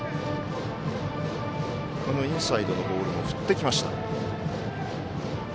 インサイドのボールも振ってきました。